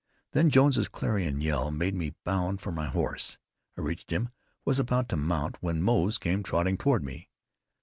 Then Jones's clarion yell made me bound for my horse. I reached him, was about to mount, when Moze came trotting toward me.